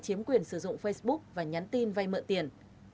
chiếm quyền sử dụng facebook và nhắn tin vay mượn tiền